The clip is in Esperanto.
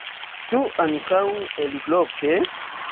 Ĉu ankaŭ aliloke?